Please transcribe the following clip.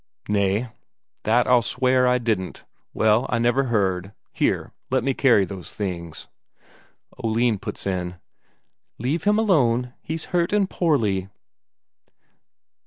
"Nay, that I'll swear I didn't. Well, I never heard. Here, let me carry those things." Oline puts in: "Leave him alone. He's hurt and poorly."